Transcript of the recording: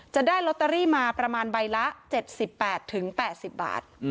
จะได้ล็อตเตอรี่มาประมาณใบละเจ็ดสิบแปดถึงแปดสิบบาทอืม